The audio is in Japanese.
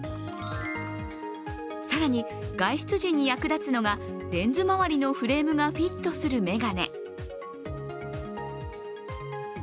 更に、外出時に役立つのがレンズ周りのフレームがフィットする眼鏡。